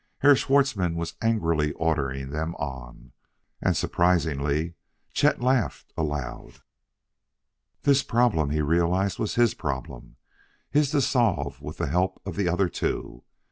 Herr Schwartzmann was angrily ordering them on, and, surprisingly, Chet laughed aloud. This problem, he realized, was his problem his to solve with the help of the other two.